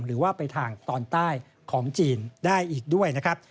หรือว่าไปทางตอนใต้ของจีนได้อีกด้วยนะครับ